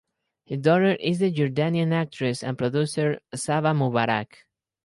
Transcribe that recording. Her daughter is the Jordanian actress and producer Saba Mubarak.